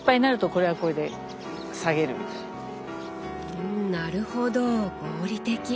うんなるほど合理的。